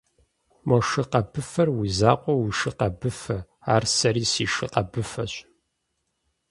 Мо шы къэбыфэр уи закъуэ уи шы къэбыфэ, ар сэри си шы къэбыфэщ.